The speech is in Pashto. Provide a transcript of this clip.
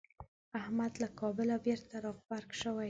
احمد له کابله بېرته راغبرګ شوی دی.